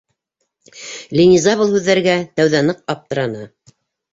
Линиза был һүҙҙәргә тәүҙә ныҡ аптыраны.